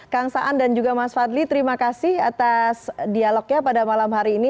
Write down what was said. kang saan dan juga mas fadli terima kasih atas dialognya pada malam hari ini